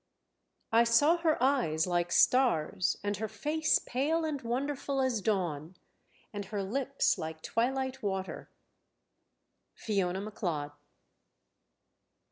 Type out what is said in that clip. XX I saw her eyes like stars and her face pale and wonderful as dawn, and her lips like twilight water. FIONA MACLEOD.